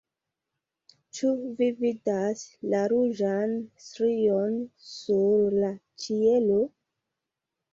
ĉu vi vidas la ruĝan strion sur la ĉielo?